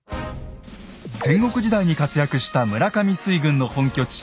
戦国時代に活躍した村上水軍の本拠地